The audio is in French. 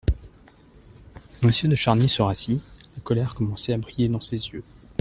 Monsieur de Charny se rassit, la colère commençait à briller dans ses yeux.